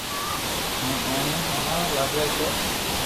ھين اوني ھڻاوا لاگيا ڪي